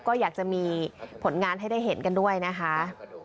ก็อยากจะมีผลงานให้ได้เห็นกันด้วยนะคะ